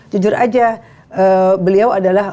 jujur aja beliau adalah